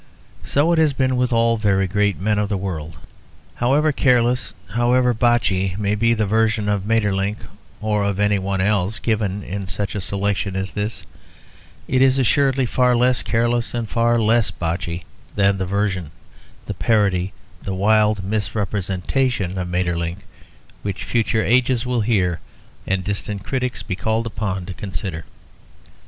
So it has been with all the very great men of the world. However careless, however botchy, may be the version of Maeterlinck or of anyone else given in such a selection as this, it is assuredly far less careless and far less botchy than the version, the parody, the wild misrepresentation of Maeterlinck which future ages will hear and distant critics be called upon to consider.